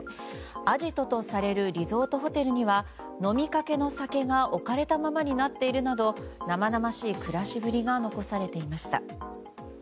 アジトとされるリゾートホテルには飲みかけの酒が置かれたままになっているなど生々しい暮らしぶりが残されていました。